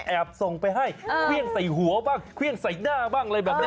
ส่งไปให้เครื่องใส่หัวบ้างเครื่องใส่หน้าบ้างอะไรแบบนี้